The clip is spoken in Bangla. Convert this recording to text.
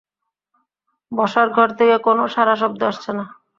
বসার ঘর থেকে কোনো সাড়াশব্দ আসছে না।